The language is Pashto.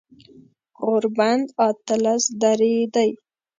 غوربند اتلس درې دی